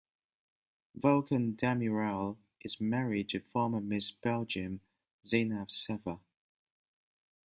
Volkan Demirel is married to former Miss Belgium Zeynep Sever.